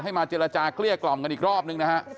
ให้มาเจรจาเกลี้ยกล่อมกันอีกรอบหนึ่งนะครับ